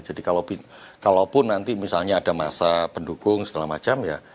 jadi kalau pun nanti misalnya ada masa pendukung segala macam ya